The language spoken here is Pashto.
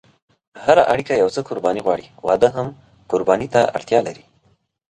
هره اړیکه یو څه قرباني غواړي، واده هم قرباني ته اړتیا لري.